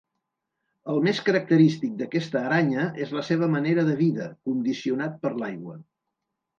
El més característic d'aquesta aranya és la seva manera de vida, condicionat per l'aigua.